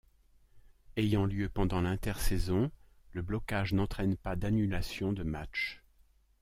Ayant lieu pendant l'intersaison, le blocage n'entraine pas d'annulation de matchs.